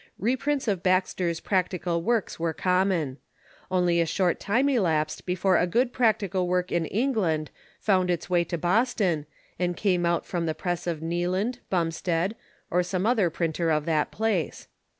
Reprints of Baxter's practical works Avere common. Only a short time elapsed before a good practical work in England found its way to Boston, and came out from the press of Kneeland, Bumstead, or some other printer of that place.